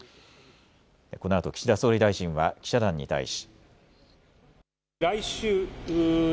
このあと岸田総理大臣は記者団に対し。